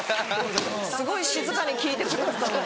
すごい静かに聞いてくれてたのに。